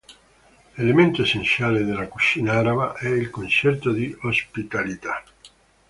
Elemento essenziale della cucina araba è il concetto di ospitalità.